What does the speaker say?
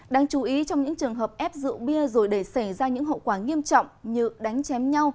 đáng chú ý trong những trường hợp ép rượu bia rồi để xảy ra những hậu quả nghiêm trọng như đánh chém nhau